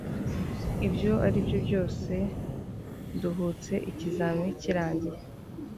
ibyo aribyo byose, nduhutse ikizamini kirangiye